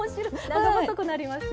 長細くなりました。